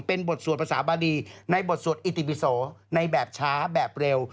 เป็นบทสวดภาษาบาดีในบทสวดอิติปิโสในแบบช้าแบบเร็ว